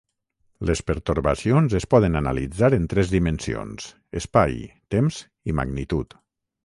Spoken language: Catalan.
Les pertorbacions es poden analitzar en tres dimensions: espai, temps i magnitud.